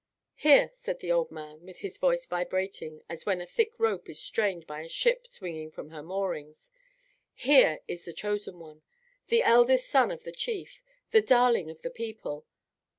"Here," said the old man, with his voice vibrating as when a thick rope is strained by a ship swinging from her moorings, "here is the chosen one, the eldest son of the Chief, the darling of the people.